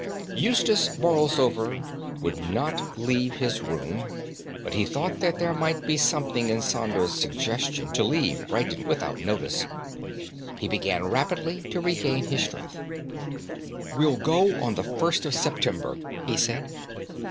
Eustace Borlsover would not leave his room, but he thought that there might be something in Saunders's suggestion to leave Brighton without notice. He began rapidly to regain his strength. "We'll go on the first of September," he said.